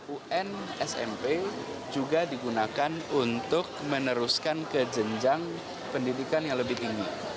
ujian nasional dikirimkan oleh smp juga digunakan untuk meneruskan kejenjang pendidikan yang lebih tinggi